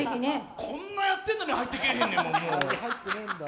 こんなやってたのに入ってけえへんねんもん。